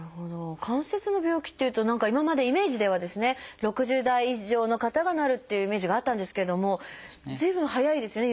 関節の病気っていうと何か今までイメージではですね６０代以上の方がなるっていうイメージがあったんですけども随分早いですね